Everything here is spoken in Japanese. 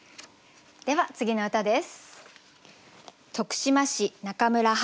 では次の歌です。